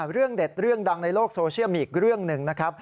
เรื่องเด็ดเรื่องดังในโลกโซเชียลมีอีกเรื่องหนึ่งนะครับ